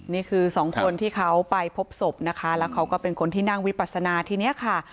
นี่คือสองคนที่เขาไปพบศพนะคะแล้วเขาก็เป็นคนที่นั่งวิปัสนาทีนี้ค่ะ